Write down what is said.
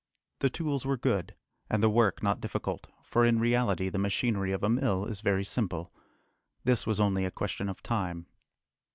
The tools were good, and the work not difficult, for in reality, the machinery of a mill is very simple. This was only a question of time.